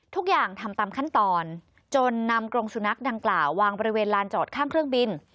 ทุกอย่างทำตามขั้นตอนจนนำกรงสุนัขดังกล่าววางบริเวณลานจอดข้างเครื่องบิน